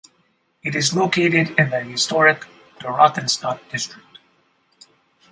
It is located in the historic Dorotheenstadt district.